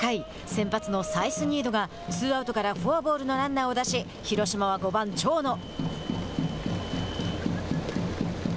先発のサイスニードがツーアウトからフォアボールのランナーを出し広島は５番長野。